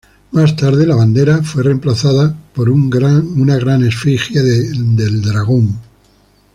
Más tarde, la bandera fue reemplazada por un gran efigie del dragón.